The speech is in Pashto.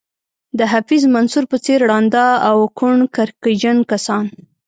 د حفیظ منصور په څېر ړانده او کڼ کرکجن کسان.